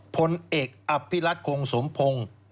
พลเอกอภิรัตคงสมพงศ์